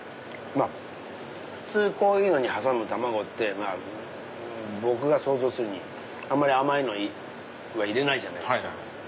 普通こういうのに挟む卵って僕が想像するにあんまり甘いのは入れないじゃないですか。